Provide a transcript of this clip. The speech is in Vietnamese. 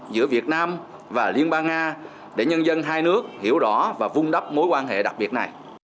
giữa việt nam và liên bang nga để nhân dân hai nước hiểu rõ và vung đắp mối quan hệ đặc biệt này